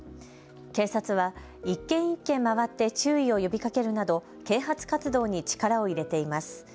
警察は１軒１軒、回って注意を呼びかけるなど啓発活動に力を入れています。